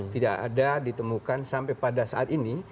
tidak ada ditemukan sampai pada saat ini